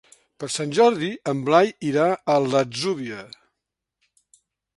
Per Sant Jordi en Blai irà a l'Atzúbia.